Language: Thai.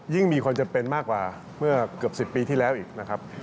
มีความจำเป็นมากกว่าเมื่อเกือบ๑๐ปีที่แล้วอีกนะครับ